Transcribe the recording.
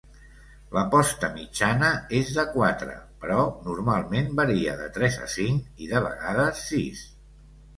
La posta mitjana és de quatre, però normalment varia de tres a cinc i, de vegades, sis.